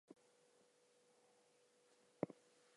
She is the widow of Sir P. B. Winkworth, the noted historian.